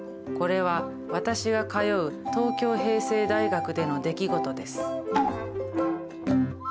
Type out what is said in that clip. これは私が通う東京平成大学での出来事です。